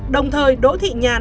đồng thời đỗ thị nhàn